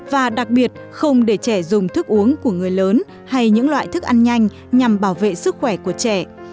và đặc biệt không để trẻ dùng thức uống của người lớn hay những loại thức ăn nhanh nhằm bảo vệ sức khỏe của trẻ